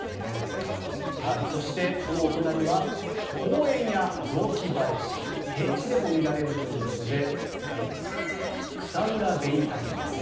そして、そのお隣は公園や雑木林平地でも見られるということでクサウラベニタケです。